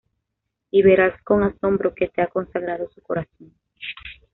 Y verás con asombro que te ha consagrado su corazón"".